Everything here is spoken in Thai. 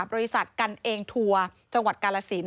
บริษัทกันเองทัวร์จังหวัดกาลสิน